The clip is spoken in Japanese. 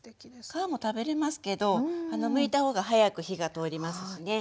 皮も食べれますけどむいた方が早く火が通りますしね。